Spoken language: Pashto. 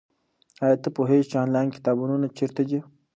ایا ته پوهېږې چې انلاین کتابتونونه چیرته دي؟